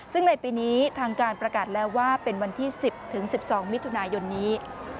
ซึ่งในปีนี้ทางการประกาศแล้วว่าเป็นวันที่๑๐๑๒มิถุนายนนี้